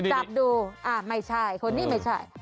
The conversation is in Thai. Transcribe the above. จับดูไม่ใช่คนนี้ไม่ใช่